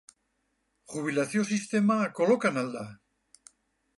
Jubilazio sistema kolokan al da?